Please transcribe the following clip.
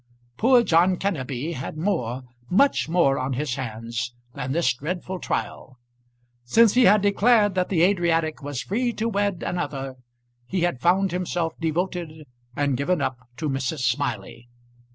Poor John Kenneby had more much more, on his hands than this dreadful trial. Since he had declared that the Adriatic was free to wed another, he had found himself devoted and given up to Mrs. Smiley.